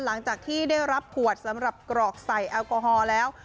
หลังจากที่ได้รับขวดสำหรับกรอกใส่แอลกอฮอล์แล้ว